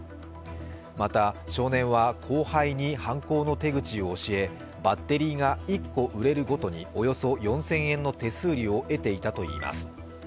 また、少年は後輩に犯行の手口を教えバッテリーが１個売れるごとにおよそ４０００円の手数料を得ていたといいます。